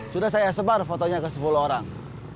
sudah saya sebar fotonya ke sepuluh orang